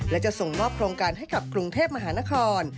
และจะส่งมอบโครงการให้กับกรุงเทพมหานคร